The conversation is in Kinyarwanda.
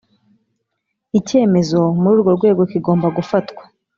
icyemezo muri urwo rwego kigomba gufatwa